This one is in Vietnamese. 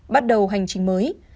bắt đầu hành trình mới